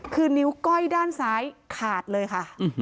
คือนิ้วก้อยด้านซ้ายขาดเลยค่ะ